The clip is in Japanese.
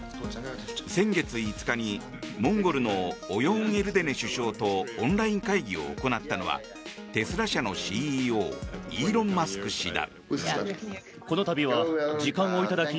先月５日にモンゴルのオヨーンエルデネ首相とオンライン会議を行ったのはテスラ社のＣＥＯイーロン・マスク氏だ。